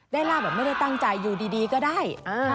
ลาบแบบไม่ได้ตั้งใจอยู่ดีก็ได้